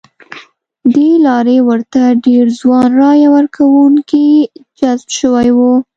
ه دې لارې ورته ډېر ځوان رایه ورکوونکي جذب شوي وو.